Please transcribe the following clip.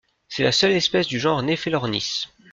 C'est la seule espèce du genre Nephelornis.